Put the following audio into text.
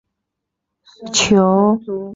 球队的宿敌是真格拿拜列治。